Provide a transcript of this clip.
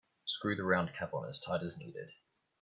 Screw the round cap on as tight as needed.